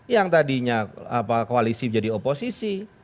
yang tadinya koalisi menjadi oposisi